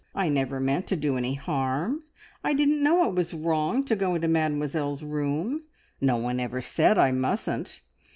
I never meant to do any harm. I didn't know it was wrong to go into Mademoiselle's room. No one ever said I mustn't.